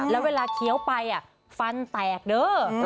แล้วเวลาเคี้ยวไปฟันแตกเด้อ